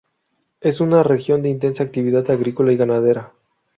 Es una región de intensa actividad agrícola y ganadera.